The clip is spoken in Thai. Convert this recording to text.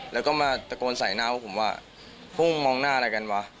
แล้วก็มาตะโกนใส่หน้าว่าพวกมันมองหน้าอะไรกันวะ